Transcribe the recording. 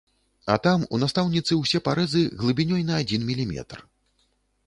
А там, у настаўніцы ўсе парэзы глыбінёй на адзін міліметр.